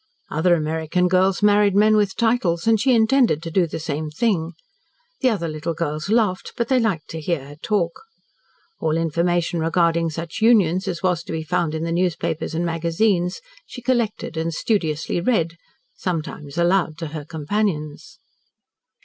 Other American girls married men with titles, and she intended to do the same thing. The other little girls laughed, but they liked to hear her talk. All information regarding such unions as was to be found in the newspapers and magazines, she collected and studiously read sometimes aloud to her companions.